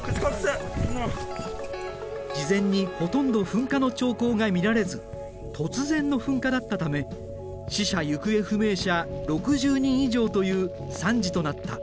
事前にほとんど噴火の兆候が見られず突然の噴火だったため死者・行方不明者６０人以上という惨事となった。